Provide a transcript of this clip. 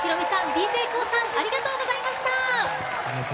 ＤＪＫＯＯさんありがとうございました。